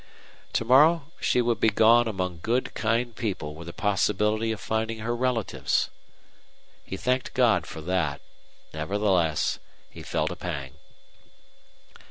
To morrow she would be gone among good, kind people with a possibility of finding her relatives. He thanked God for that; nevertheless, he felt a pang.